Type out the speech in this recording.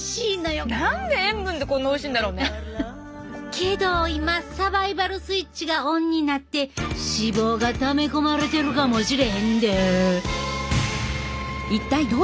けど今サバイバル・スイッチがオンになって脂肪がため込まれてるかもしれへんで。